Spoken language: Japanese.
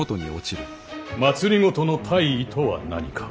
政の大意とは何か。